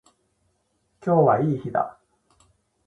今日はいい日だ。